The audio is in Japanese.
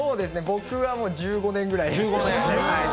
僕は１５年ぐらい。